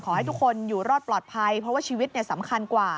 ขอให้ทุกคนอยู่รอดปลอดภัยเพราะว่าชีวิตสำคัญกว่า